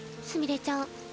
すみれちゃん。